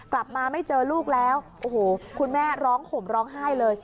กลับมาไม่เจอลูกแล้วโอ้โหคุณแม่ร้องห่มร้องไห้เลย